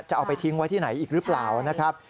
จะเอาไปทิ้งไว้ที่ไหนอีกหรือเปล่านะครับ